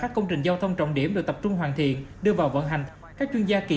các công trình giao thông trọng điểm được tập trung hoàn thiện đưa vào vận hành các chuyên gia kỳ